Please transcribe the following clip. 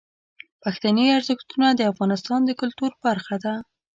پښتني ارزښتونه د افغانستان د کلتور برخه ده.